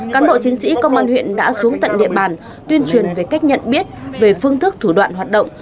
cán bộ chiến sĩ công an huyện đã xuống tận địa bàn tuyên truyền về cách nhận biết về phương thức thủ đoạn hoạt động